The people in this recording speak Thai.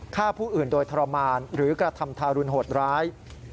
ฆ่าผู้อื่นโดยทรมานหรือกระทำทารุณโหดร้าย